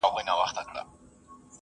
هغه وويل چي شګه مهمه ده!